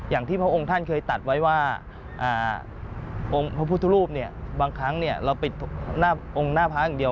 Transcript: อย่างที่พระองค์ท่านเคยตัดไว้ว่าองค์พระพุทธรูปเนี่ยบางครั้งเราปิดหน้าองค์หน้าพระอย่างเดียว